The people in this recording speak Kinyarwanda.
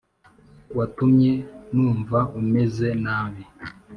watumye numva umeze nabi